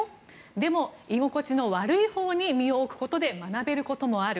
でも、居心地の悪いほうに身を置くことで学べることもある。